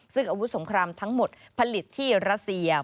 ซึ่งอาวุธสงครามทั้งหมดผลิตที่รัสเซีย